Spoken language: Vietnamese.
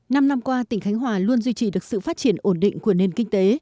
năm năm qua tỉnh khánh hòa luôn duy trì được sự phát triển ổn định của nền kinh tế